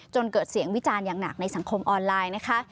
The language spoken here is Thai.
เกิดเสียงวิจารณ์อย่างหนักในสังคมออนไลน์นะคะ